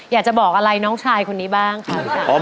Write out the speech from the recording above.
อยากจะบอกอะไรน้องชายคนนี้บ้างคะ